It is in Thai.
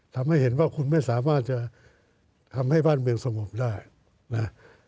ทำให้เห็นว่าคุณไม่สามารถจะทำให้บ้านเมืองสงบได้นะ